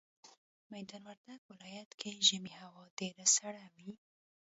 ميدان وردګ ولايت کي ژمي هوا ډيره سړه وي